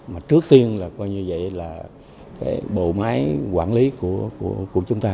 mà trước tiên là coi như vậy là cái bộ máy quản lý của chúng ta